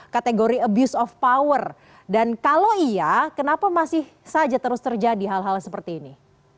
kategori abuse of power dan kalau iya kenapa masih saja terus terjadi hal hal seperti ini